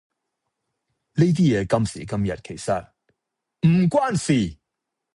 呢啲嘢今時今日其實唔關事